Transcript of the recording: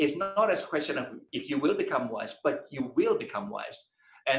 tidak menjadi pertanyaan jika anda akan menjadi bijak tetapi anda akan menjadi bijak